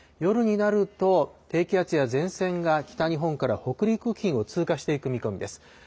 夜になると、低気圧や前線が北日本から北陸付近を通過していく見込みです。